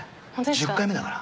１０回目だから。